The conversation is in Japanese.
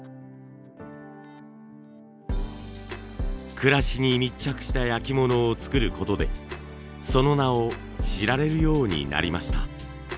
暮らしに密着した焼き物を作ることでその名を知られるようになりました。